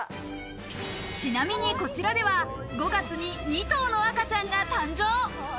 ちなみにこちらでは、５月に２頭の赤ちゃんが誕生。